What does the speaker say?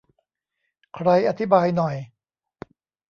ใครอธิบายหน่อย